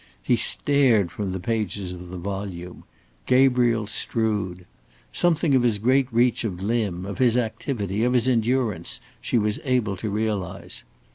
He stared from the pages of the volume Gabriel Strood. Something of his great reach of limb, of his activity, of his endurance, she was able to realize.